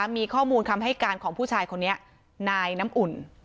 มีข้อมูลคำให้การของผู้ชายคนนี้นายน้ำอุ่น